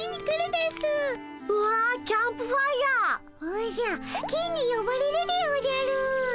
おじゃ金によばれるでおじゃる。